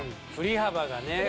振り幅がね